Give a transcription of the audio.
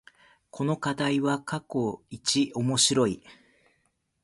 この課題は過去一面白い